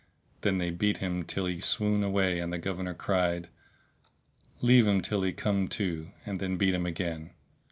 Then they beat him till he swooned away and the Governor cried, "Leave him till he come to and then beat him again."